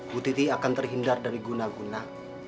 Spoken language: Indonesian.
bu titi akan terhindar dari guna guna